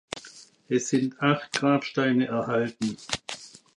Es sind acht Grabsteine erhalten.